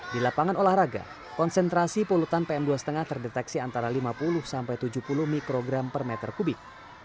di lapangan olahraga konsentrasi polutan pm dua lima terdeteksi antara lima puluh sampai tujuh puluh mikrogram per meter kubik